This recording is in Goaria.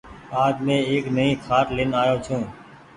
آج مين ايڪ نئي کآٽ لين آئو ڇون۔